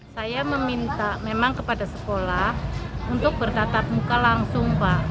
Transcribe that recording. saya meminta memang kepada sekolah untuk bertatap muka langsung pak